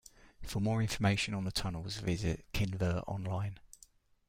For more information on the tunnels visit Kinver Online.